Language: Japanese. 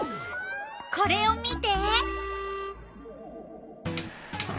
これを見て。